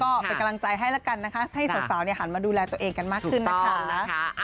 ก็เป็นกำลังใจให้แล้วกันนะคะให้สาวหันมาดูแลตัวเองกันมากขึ้นนะคะ